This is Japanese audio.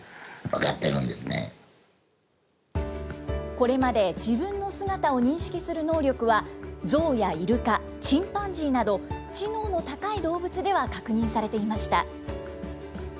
これまで自分の姿を認識する能力は、ゾウやイルカ、チンパンジーなど、知能の高い動物では確認されていました。